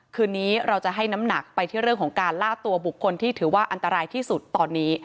คืนนี้เราจะให้น้ำหนักไปที่เรื่องของการล่าตัวบุคคลที่ถือว่าอันตรายที่สุดตอนนี้